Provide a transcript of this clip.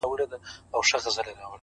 د پخلنځي تودوخه د کور احساس ژوندي کوي,